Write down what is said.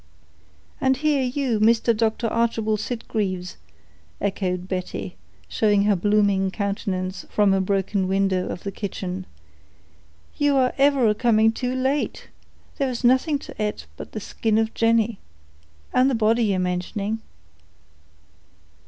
"And here, you Mister Doctor Archibald Sitgreaves," echoed Betty, showing her blooming countenance from a broken window of the kitchen, "you are ever a coming too late; here is nothing to ate but the skin of Jenny, and the body ye're mentioning."